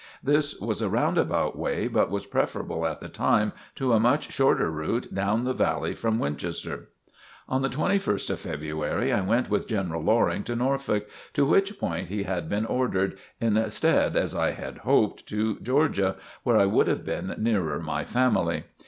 This was a roundabout way but was preferable at the time to a much shorter route down the valley from Winchester. On the 21st of February, I went with General Loring to Norfolk, to which point he had been ordered, instead, as I had hoped, to Georgia, where I would have been nearer my family.